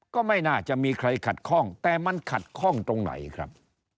ก็ไม่น่าจะมีใครขัดข้องแต่มันขัดข้องตรงไหนครับ